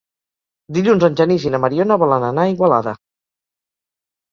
Dilluns en Genís i na Mariona volen anar a Igualada.